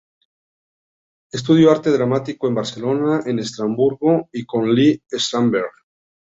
Estudió Arte dramático en Barcelona, en Estrasburgo y con Lee Strasberg.